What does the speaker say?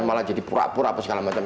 malah jadi pura pura apa segala macam